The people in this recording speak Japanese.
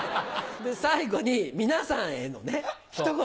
最後に皆さんへの一言。